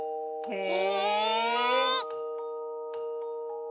へえ。